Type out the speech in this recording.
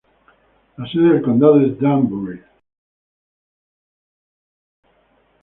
La sede del condado es Danbury.